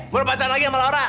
berpacar lagi sama laura